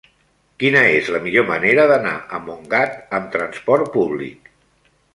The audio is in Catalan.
Quina és la millor manera d'anar a Montgat amb trasport públic?